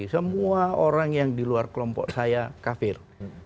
semua orang yang di luar kelompok saya kafir